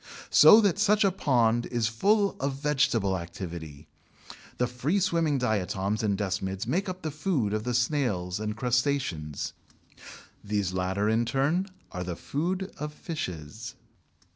So that such a pond is full of vegetable activity. The free swimming diatoms and desmids make up the food of the snails and crustaceans. These latter in turn are the food of fishes.